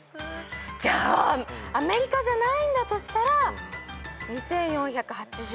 じゃあアメリカじゃないんだとしたら。